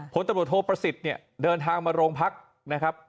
ตำรวจโทประสิทธิ์เนี่ยเดินทางมาโรงพักนะครับ